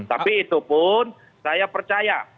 tapi itu pun saya percaya